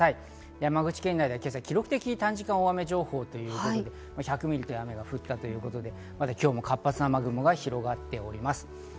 山口県内では今朝、記録的短時間大雨情報という１００ミリの雨が降ったということで、今も活発な雨雲が広がっております。